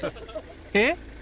えっ？